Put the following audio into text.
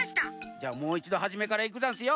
じゃあもういちどはじめからいくざんすよ。